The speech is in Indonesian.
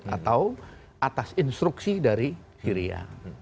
atau atas instruksi dari syria